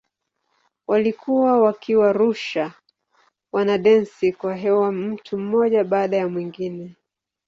Walikuwa wakiwarusha wanadensi kwa hewa mtu mmoja baada ya mwingine.